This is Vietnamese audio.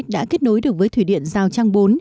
đã kết nối được với thủy điện giao trang bốn